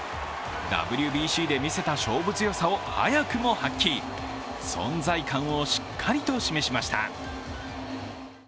ＷＢＣで見せた勝負強さを早くも発揮存在感をしっかりと示しました。